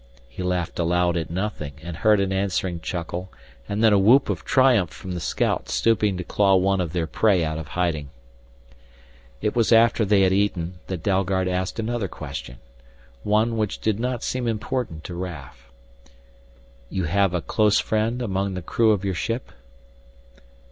He laughed aloud at nothing and heard an answering chuckle and then a whoop of triumph from the scout stooping to claw one of their prey out of hiding. It was after they had eaten that Dalgard asked another question, one which did not seem important to Raf. "You have a close friend among the crew of your ship?"